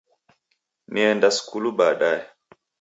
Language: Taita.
Nienda sukulu baadaye